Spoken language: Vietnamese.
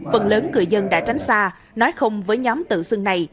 phần lớn người dân đã tránh xa nói không với nhóm tự xưng này